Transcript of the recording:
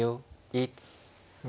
１２。